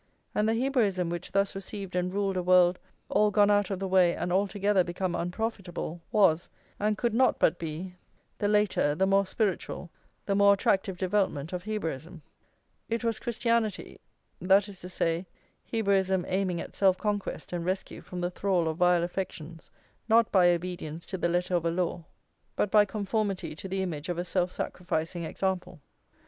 "+ And the Hebraism which thus received and ruled a world all gone out of the way and altogether become unprofitable, was, and could not but be, the later, the more spiritual, the more attractive development of Hebraism. It was Christianity; that is to say, Hebraism aiming at self conquest and rescue from the thrall of vile affections, not by obedience to the letter of a law, but by conformity to the image of a self sacrificing example.